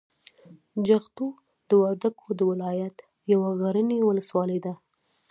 جغتو د وردګو د ولایت یوه غرنۍ ولسوالي ده.